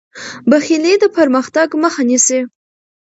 بخیلي د پرمختګ مخه نیسي.